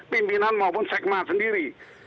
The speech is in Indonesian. pimpinan maupun sekma sendiri